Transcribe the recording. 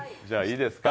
いいですか？